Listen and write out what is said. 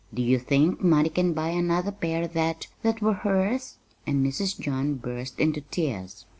Do you think money can buy another pair that that were hers?" And Mrs. John burst into tears.